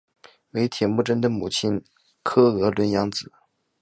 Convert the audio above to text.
为铁木真的母亲诃额仑养子。